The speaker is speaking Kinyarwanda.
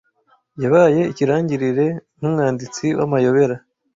Yabaye ikirangirire nk'umwanditsi w'amayobera.